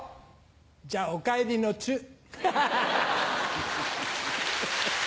じゃあおかえりのチュっ。